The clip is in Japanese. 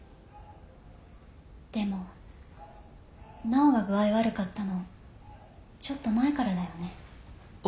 でも奈央が具合悪かったのちょっと前からだよね？